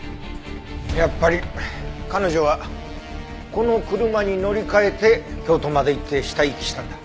やっぱり彼女はこの車に乗り換えて京都まで行って死体遺棄したんだ。